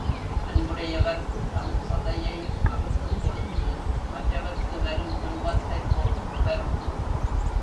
அன்புடையவர் தம் சதையையும் அறுத்துக் கொடுத்து மற்றவர்க்கு வரும் துன்பத்தைப் போக்குவர்.